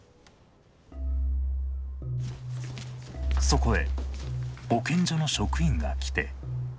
そこへ保健所の職員が来て。